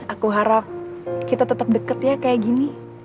aku harap kita tetap deket ya kayak gini